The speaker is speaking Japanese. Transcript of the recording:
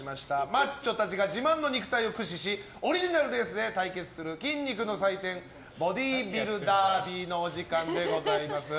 マッチョたちが自慢の肉体を駆使しオリジナルレースで対決する筋肉の祭典ボディービルダービーのお時間でございます。